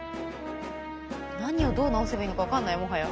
何をどう直せばいいのか分かんないもはや。